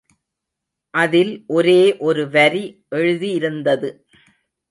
அதில் ஒரே ஒருவரி எழுதியிருந்தது.